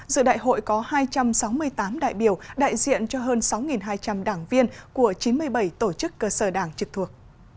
giữa đại hội có hai trăm sáu mươi tám đại biểu đại diện cho hơn sáu hai trăm linh đảng viên của chín mươi bảy tổ chức cơ sở đảng trực thuộc